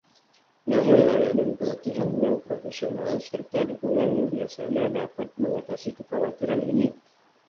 Namun, layanan pelatihan yang profesional serta dukungan biasanya dapat mengatasi kekhawatiran ini.